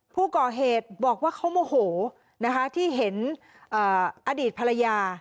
ผู้ก่อเหตุบอกว่าเขาโมโหนะคะที่เห็นอดีตภรรยา